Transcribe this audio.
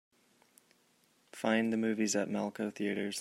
Find the movies at Malco Theatres.